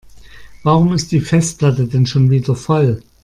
Warum ist die Festplatte denn schon wieder voll?